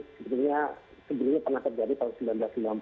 sebenarnya sebelumnya pernah terjadi tahun seribu sembilan ratus sembilan puluh